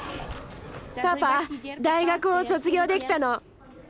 パパ大学を卒業できたの！